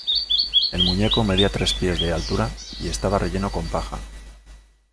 El muñeco medía tres pies de altura, y estaba relleno con paja.